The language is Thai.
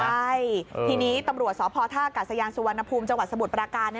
ใช่ทีนี้ตำรวจสพธกัสยางสุวรรณภูมิจสบทปราการ